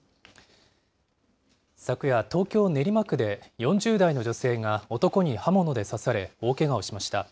昨夜、東京・練馬区で、４０代の女性が男に刃物で刺され、大けがをしました。